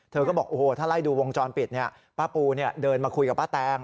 เธอก็บอกโอ้โหถ้าไล่ดูวงจรปิดป้าปูเดินมาคุยกับป้าแตง